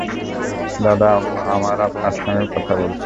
দাদা, আমরা আপনার সাথে কথা বলছি।